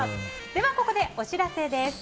では、ここでお知らせです。